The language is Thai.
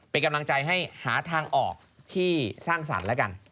เป็นกำลังใจให้หาทางออกที่สร้างสรรค์แล้วกัน